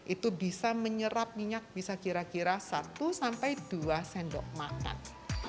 itu bisa menyerap minyak bisa kira kira satu sampai dua sendok makan